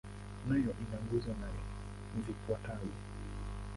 Nayo ina nguzo nane zifuatazo.